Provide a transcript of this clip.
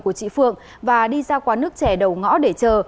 của chị phượng và đi ra quán nước trẻ đầu ngõ để chờ